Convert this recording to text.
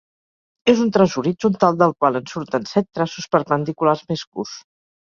És un traç horitzontal del qual en surten set traços perpendiculars més curts.